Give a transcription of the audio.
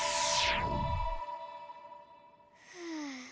ふう。